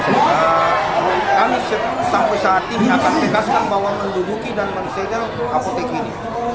kami sampai saat ini akan tegaskan bahwa menduduki dan mensegel apotek ini